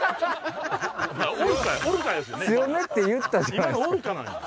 強めって言ったじゃないですか。